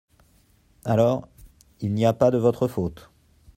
Alors, il n’y a pas de votre faute.